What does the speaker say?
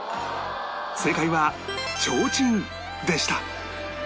正解は提灯でした